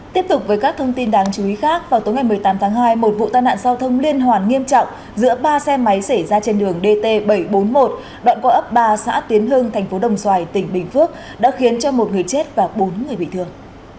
tiếp tục với các thông tin đáng chú ý khác vào tối ngày một mươi tám tháng hai một vụ tai nạn giao thông liên hoàn nghiêm trọng giữa ba xe máy xảy ra trên đường dt bảy trăm bốn mươi một đoạn qua ấp ba xã tiến hưng thành phố đồng xoài tỉnh bình phước đã khiến cho một người chết và bốn người bị thương